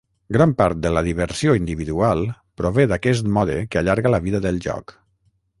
Gran part de la diversió individual prové d'aquest mode que allarga la vida del joc.